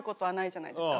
じゃないですか。